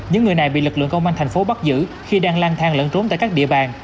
những người này bị lực lượng công an thành phố bắt giữ khi đang lang thang lẫn trốn tại các địa bàn